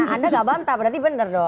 anda gak bantah berarti bener dong